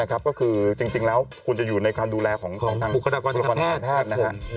ก็คือจริงแล้วคุณจะอยู่ในความดูแลของบุคลากรกรแพทย์